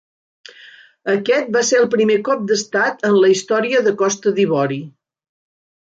Aquest va ser el primer cop d'estat en la història de Costa d'Ivori.